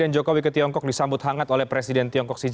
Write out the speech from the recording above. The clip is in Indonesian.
jokowi ke tiongkok